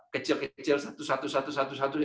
kecil kecil satu satu satu satu